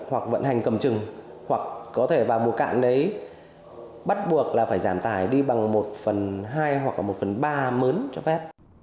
hoặc vận hành cầm chừng hoặc có thể vào mùa cạn đấy bắt buộc là phải giảm tải đi bằng một phần hai hoặc là một phần ba mớn cho phép